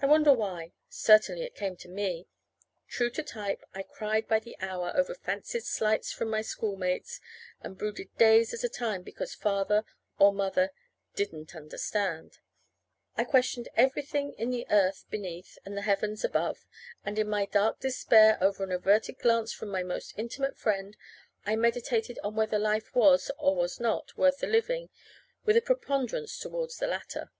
I wonder why? Certainly it came to me. True to type I cried by the hour over fancied slights from my schoolmates, and brooded days at a time because Father or Mother "didn't understand," I questioned everything in the earth beneath and the heavens above; and in my dark despair over an averted glance from my most intimate friend, I meditated on whether life was, or was not, worth the living, with a preponderance toward the latter.